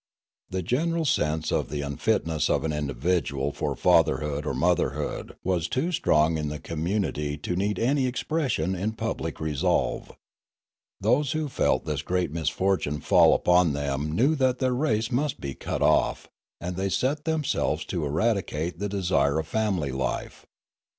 The general sense of the unfitness of an individual for fatherhood or motherhood was too strong in the community to need any expression in public resolve. Those who felt this great misfortune fall upon them knew that their race must be cut off; and they set themselves to eradi cate the desire of family life.